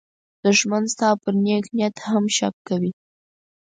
دښمن ستا پر نېک نیت هم شک کوي